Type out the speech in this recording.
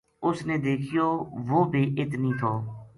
اُس نے دیکھیو وہ بی ات نیہہ تھو